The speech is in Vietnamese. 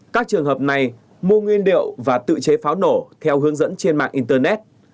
các trường hợp này mua nguyên liệu và tự chế pháo nổ theo hướng dẫn trên mạng internet